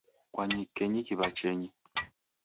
Kwanyikenyi kiw'achenyi